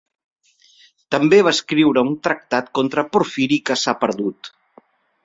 També va escriure un tractat contra Porfiri, que s'ha perdut.